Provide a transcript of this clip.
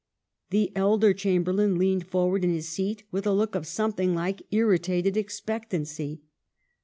The elder Chamberlain leaned forward in his seat with a look of something like irritated expectancy.